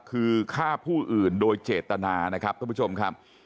คือฆ่าผู้อื่นโดยเจตนานะครับท่านผู้ชมครับ